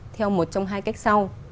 theo một trong hai cách sau